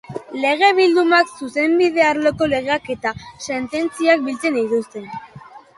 Lege-bildumak zuzenbide arloko legeak eta sententziak biltzen dituzte.